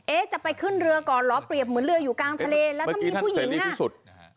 จะไปขึ้นเรือก่อนเหรอเปรียบเหมือนเรืออยู่กลางทะเลแล้วถ้ามีผู้หญิงอ่ะสุด